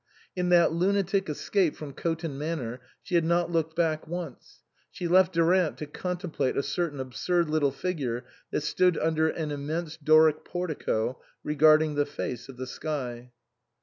In that lunatic escape from Coton Manor she had not looked back once ; she left Durant to contemplate a certain absurd little figure that stood under an immense Doric portico, regarding the face of the sky.